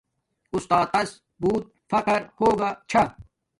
اُسات تس بوت مخر ہوگا شھا